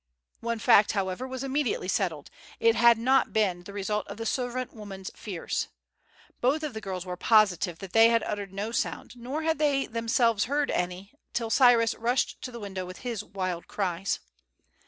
One fact, however, was immediately settled. It had not been the result of the servant women's fears. Both of the girls were positive that they had uttered no sound, nor had they themselves heard any till Cyrus rushed to the window with his wild cries.